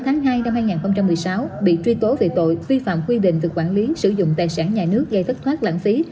tháng hai năm hai nghìn một mươi sáu bị truy tố về tội vi phạm quy định thực quản lý sử dụng tài sản nhà nước gây thất thoát lãng phí